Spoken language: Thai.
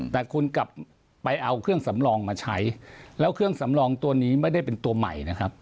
แต่คุณกลับไปเอาเครื่องสำรองมาใช้แล้วเครื่องสำรองตัวนี้ไม่ได้เป็นตัวใหม่นะครับ